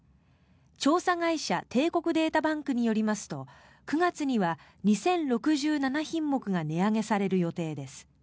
調査会社帝国データバンクによりますと９月には２０６７品目が値上げされる予定です。